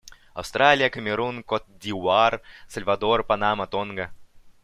Австралия, Камерун, Кот-д'Ивуар, Сальвадор, Панама, Тонга.